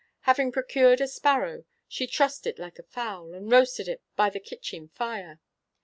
Having procured a sparrow, she trussed it like a fowl, and roasted it by the kitchen fire.